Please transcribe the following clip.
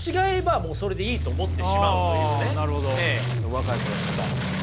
若い頃多々ありました。